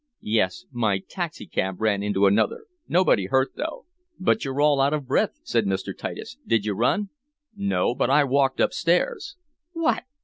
"Yes my taxicab ran into another. Nobody hurt though." "But you're all out of breath," said Mr. Titus. "Did you run?" "No, but I walked upstairs." "What!